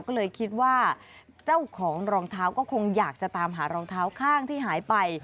ก็เลยคิดว่าเจ้าของรองเท้าก็คงอยากจะตามหารองเท้าข้างที่หายไป